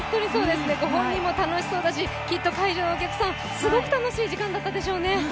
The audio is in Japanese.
ご本人も楽しそうだし、きっと会場の皆さんもすごく楽しい時間だったでしょうね。